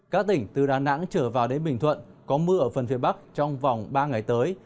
các tỉnh từ đà nẵng trở vào đến bình thuận có mưa ở phần phía bắc trong vòng ba ngày tới